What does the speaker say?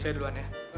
saya duluan ya